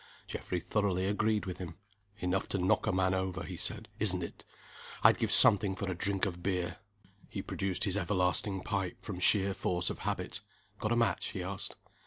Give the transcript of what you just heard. Geoffrey thoroughly agreed with him. "Enough to knock a man over," he said, "isn't it? I'd give something for a drink of beer." He produced his everlasting pipe, from sheer force of habit. "Got a match?" he asked.